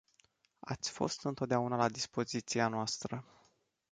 Ați fost întotdeauna la dispoziția noastră.